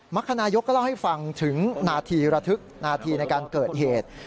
รรคนายกก็เล่าให้ฟังถึงนาทีระทึกนาทีในการเกิดเหตุ